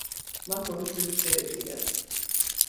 მათ ორი შვილი შეეძინათ.